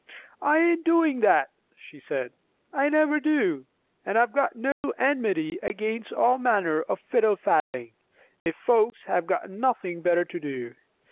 "I ain't doin' that," she said. "I never do. And I've no enmity against all manner of fiddle faddling, if folks have got nothin' better to do.